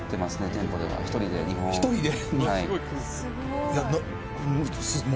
店舗では１人で２本１人で！？